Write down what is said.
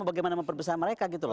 bagaimana memperbesar mereka gitu loh